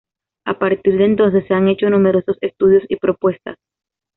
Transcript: A partir de entonces, se han hecho numerosos estudios y propuestas.